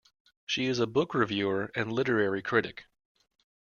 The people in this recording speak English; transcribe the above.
She is a book reviewer and literary critic.